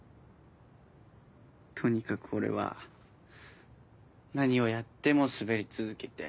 とにかく俺は何をやってもスベり続けて。